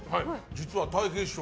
実はたい平師匠